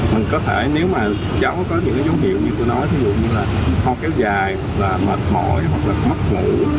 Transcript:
mình có thể nếu mà cháu có những dấu hiệu như tôi nói ví dụ như là hô kéo dài mệt mỏi hoặc là mất ngủ